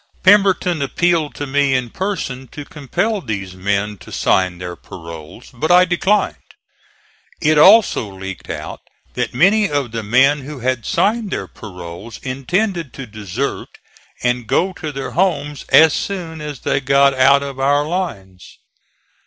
Pemberton appealed to me in person to compel these men to sign their paroles, but I declined. It also leaked out that many of the men who had signed their paroles, intended to desert and go to their homes as soon as they got out of our lines.